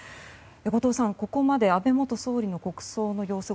後藤さん、ここまで安倍元総理の国葬の様子